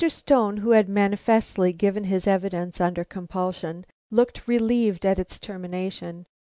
Stone, who had manifestly given his evidence under compulsion, looked relieved at its termination.